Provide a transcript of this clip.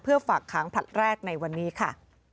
ฝากค้างผลัดแรกในวันนี้ค่ะ